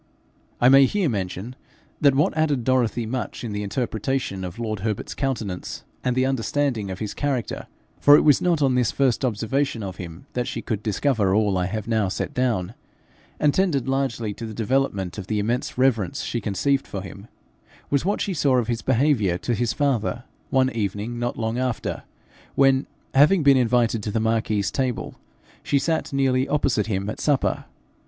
I may here mention that what aided Dorothy much in the interpretation of lord Herbert's countenance and the understanding of his character for it was not on this first observation of him that she could discover all I have now set down and tended largely to the development of the immense reverence she conceived for him, was what she saw of his behaviour to his father one evening not long after, when, having been invited to the marquis's table, she sat nearly opposite him at supper.